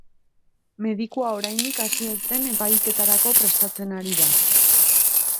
Medikua oraindik hasi ez den epaiketarako prestatzen ari da.